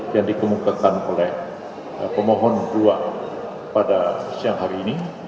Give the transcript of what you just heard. yang dikemukakan oleh pemohon dua pada siang hari ini